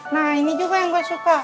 nah ini juga yang gue suka